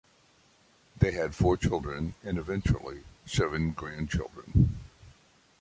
They had four children and eventually, seven grandchildren.